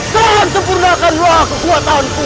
dan sempurnakanlah kekuatanku